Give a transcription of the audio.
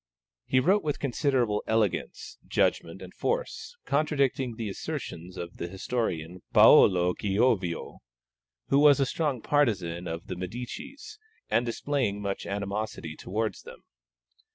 He wrote with considerable elegance, judgment, and force, contradicting the assertions of the historian Paolo Giovio, who was a strong partisan of the Medicis, and displaying much animosity towards them.